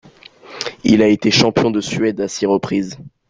Il a été champion de Suède à six reprises.